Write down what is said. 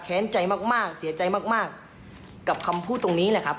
ใจมากมากเสียใจมากกับคำพูดตรงนี้แหละครับ